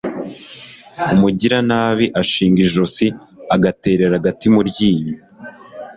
umugiranabi ashinga ijosi, agaterera agati mu ryinyo